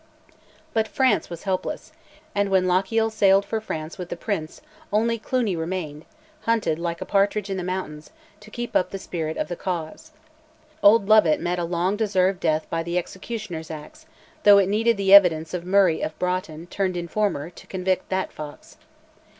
But France was helpless, and when Lochiel sailed for France with the Prince only Cluny remained, hunted like a partridge in the mountains, to keep up the spirit of the Cause. Old Lovat met a long deserved death by the executioner's axe, though it needed the evidence of Murray of Broughton, turned informer, to convict that fox.